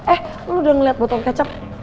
eh lo udah ngeliat botol kecap